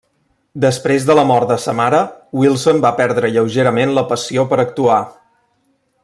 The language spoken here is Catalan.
Després de la mort de sa mare, Wilson va perdre lleugerament la passió per actuar.